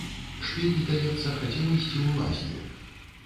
Шпік, здаецца, хацеў ісці ў лазню.